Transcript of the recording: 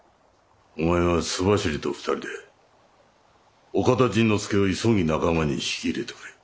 お前は州走りと２人で岡田甚之助を急ぎ仲間に引き入れてくれ。